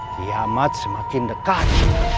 kiamat semakin dekat